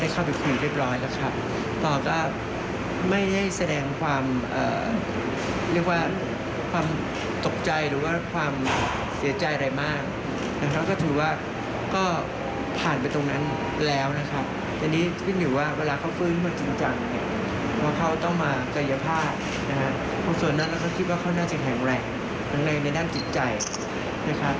คุณส่วนนั้นก็คิดว่าเขาน่าจะแข็งแรงกันเลยในด้านจิตใจนะครับ